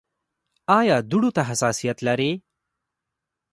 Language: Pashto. ایا دوړو ته حساسیت لرئ؟